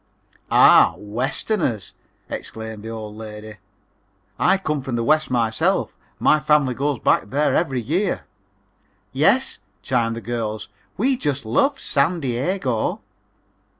"Ah, Westerners!" exclaimed the old lady. "I come from the West myself. My family goes back there every year." "Yes," chimed in the girls, "we just love San Diego!"